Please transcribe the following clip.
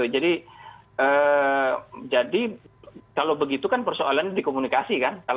jadi kalau begitu kan persoalannya dikomunikasi kan